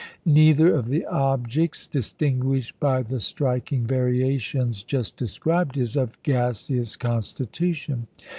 Neither of the objects distinguished by the striking variations just described is of gaseous constitution.